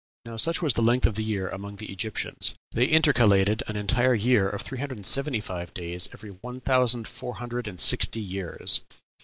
Now such was the length of the year among the Egyptians they intercalated an entire year of three hundred and seventy five days every one thousand four hundred and sixty years....